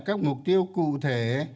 các mục tiêu cụ thể